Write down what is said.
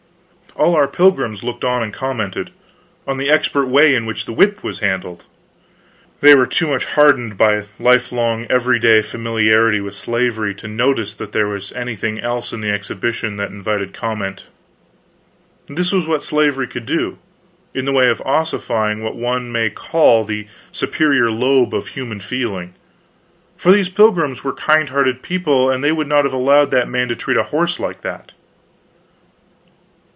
All our pilgrims looked on and commented on the expert way in which the whip was handled. They were too much hardened by lifelong everyday familiarity with slavery to notice that there was anything else in the exhibition that invited comment. This was what slavery could do, in the way of ossifying what one may call the superior lobe of human feeling; for these pilgrims were kind hearted people, and they would not have allowed that man to treat a horse like that.